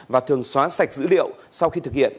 và thường xóa sạch dữ liệu sau khi thực hiện